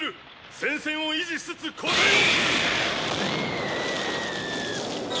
戦線を維持しつつ後退を。